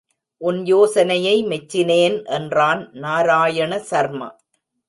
உன் யோசனையை மெச்சினேன் என்றான் நாராயண சர்மா.